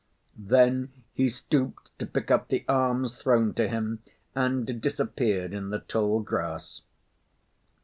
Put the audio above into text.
Then he stooped to pick up the alms thrown to him, and disappeared in the tall grass.